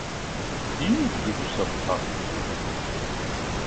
You need to give yourself a talking to.